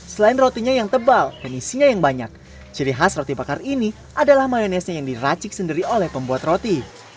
selain rotinya yang tebal dan isinya yang banyak ciri khas roti bakar ini adalah mayonesenya yang diracik sendiri oleh pembuat roti